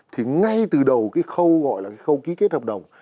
thì ngay từ đầu cái khâu gọi là cái khâu ký kết hợp đồng